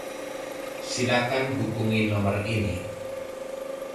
Silakan hubungi nomor ini.